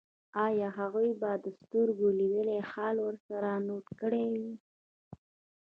ایا هغوی به سترګو لیدلی حال ورسره نوټ کړی وي